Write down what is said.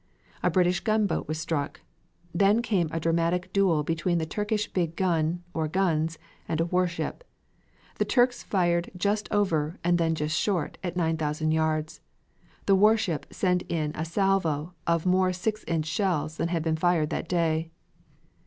A British gunboat was struck. Then came a dramatic duel between the Turkish big gun, or guns, and a warship. The Turks fired just over, and then just short, at 9,000 yards. The warship sent in a salvo of more six inch shells than had been fired that day.